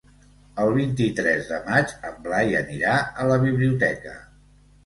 El vint-i-tres de maig en Blai anirà a la biblioteca.